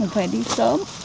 phải đi sớm